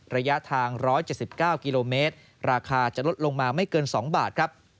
ระยะทาง๑๗๙กมราคาจะลดลงมาไม่เกิน๒บาท